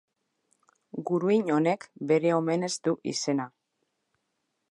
Guruin honek, bere omenez du izena.